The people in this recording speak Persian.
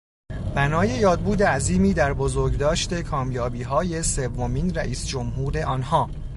بنای یادبود عظیمی در بزرگداشت کامیابیهای سومین رئیس جمهور آنها